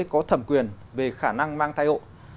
có thẩm quyền về khả năng mang thai hộ